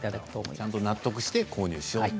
ちゃんと納得してから購入しようと。